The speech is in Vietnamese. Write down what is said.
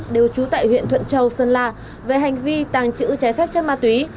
đều trú tại huyện thuận châu sơn la về hành vi tàng trữ trái phép chất ma túy